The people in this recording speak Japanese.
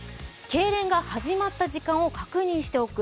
けいれんが始まった時間を確認しておく。